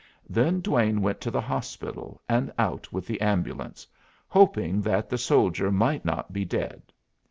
Then Duane went to the hospital, and out with the ambulance, hoping that the soldier might not be dead.